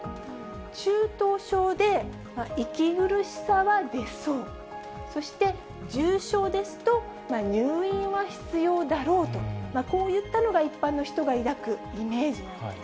中等症で息苦しさは出そう、そして重症ですと、入院は必要だろうと、こういったのが一般の人が抱くイメージなんです。